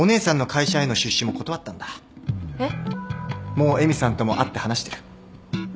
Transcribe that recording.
もう絵美さんとも会って話してる。